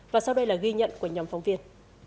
và sau đây là ghi nhận của nhóm phóng viên